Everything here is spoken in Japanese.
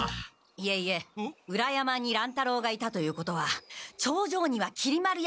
いえいえ裏山に乱太郎がいたということは頂上にはきり丸やしんべヱが。